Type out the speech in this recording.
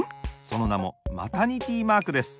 そのなもマタニティマークです。